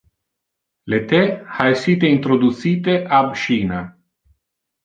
Le the ha essite introducite ab China.